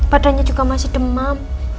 padanya juga masih demam